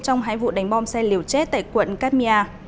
trong hai vụ đánh bom xe liều chết tại quận katmia